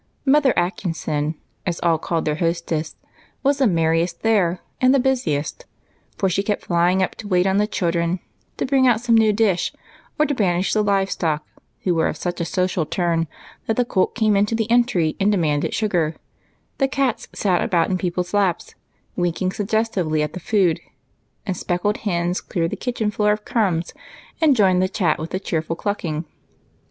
Mother Atkinson, as all called their hostess, was the merriest there, and the busiest ; for she kept flying up to wait on the children, to bring out some new dish, or to banish the live stock, who were of such a social turn that the colt came into the entry and demanded sugar ; the cats sat about in people's laps, Avinking sugges tiA^ely at the food ; and speckled hens cleared the kitchen floor of crumbs, as they joined in the chat with a cheerful clucking.